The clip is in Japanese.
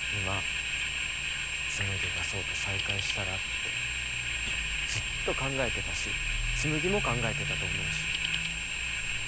今紬が想と再会したらってずっと考えてたし紬も考えてたと思うし。